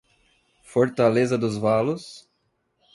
Fortaleza dos Valos